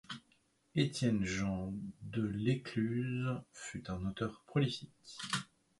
Étienne-Jean Delécluze fut un auteur prolifique.